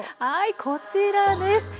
こちらです。